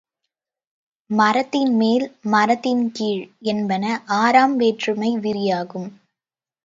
மரத்தின்மேல், மரத்தின்கீழ் என்பன ஆறாம் வேற்றுமை விரியாகும்.